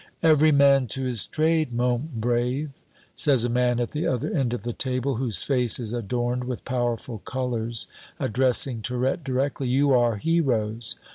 "Every man to his trade, mon brave," says a man at the other end of the table whose face is adorned with powerful colors, addressing Tirette directly; "you are heroes.